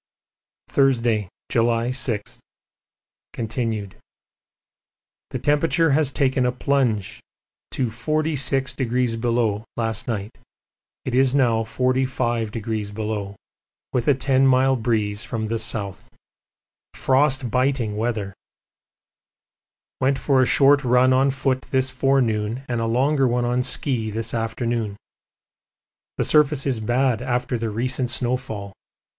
Thursday, July 6, continued. The temperature has taken a plunge to 46° last night. It is now 45°, with a ten mile breeze from the south. Frostbiting weather! Went for a short run on foot this forenoon and a longer one on ski this afternoon. The surface is bad after the recent snowfall.